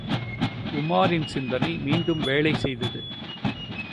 உமாரின் சிந்தனை மீண்டும் வேலை செய்தது.